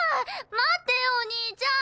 待ってよお兄ちゃん！